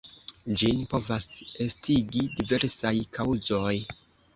Ĝin povas estigi diversaj kaŭzoj.